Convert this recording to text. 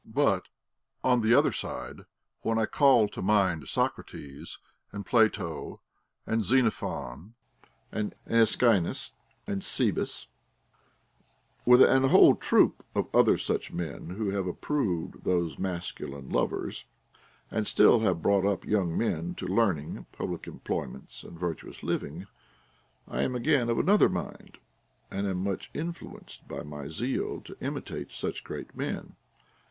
But, on the other side, Avhen I call to mind Socrates, and Plato, and Xenophon, and Aeschines, and Cebes, with an whole troop of other such men, who have approA^d those masculine loves, and still have brought up young men to learning, public employments, and virtuous living, I am again of another mind, and am much influenced by my zeal to imitate such great men.